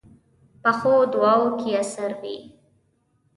پخو دعاوو کې اثر وي